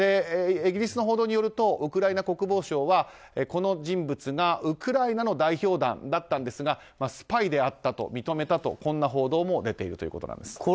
イギリスの報道によるとウクライナ国防省はこの人物がウクライナの代表団だったんですがスパイであったと認めたという報道も出ているということです。